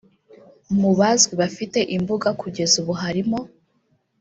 Mu Bazwi bafite imbuga kugeza ubu harimo